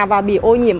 và bị ô nhiễm